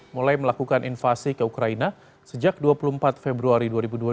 mulai melakukan invasi ke ukraina sejak dua puluh empat februari dua ribu dua puluh